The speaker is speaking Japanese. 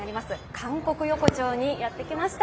韓国横丁にやってきました。